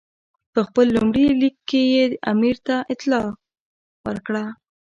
په خپل لومړي لیک کې یې امیر ته اطلاع ورکړه.